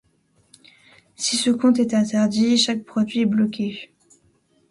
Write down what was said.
Si ce compte est interdit, chaque produit est bloqué.